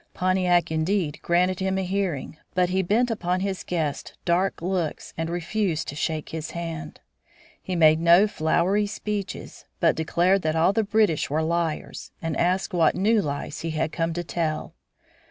Pontiac, indeed, granted him a hearing, but he bent upon his guest dark looks and refused to shake his hand. He made no flowery speeches, but declared that all the British were liars, and asked what new lies he had come to tell.